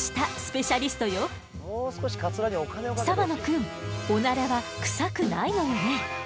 澤野くんオナラはクサくないのよね？